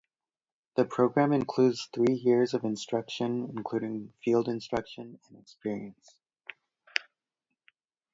The program includes three years of instruction, including field instruction and experience.